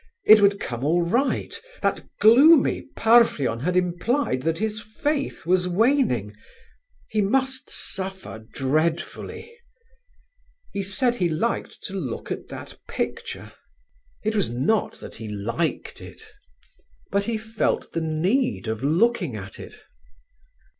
It would all come right! That gloomy Parfen had implied that his faith was waning; he must suffer dreadfully. He said he liked to look at that picture; it was not that he liked it, but he felt the need of looking at it.